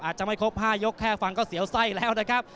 อาจจะไม่ครบ๕ยกแค่ฟังก็เสียวไส้แล้วนะครับ